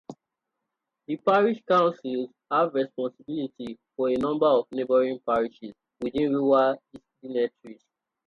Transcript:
The Parish Councils have responsibility for a number of neighboring parishes within rural deaneries.